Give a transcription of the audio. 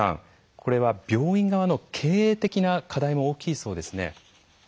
これは病院側の経営的な課題も大きいそうですね。